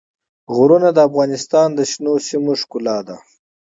غرونه د افغانستان د شنو سیمو ښکلا ده.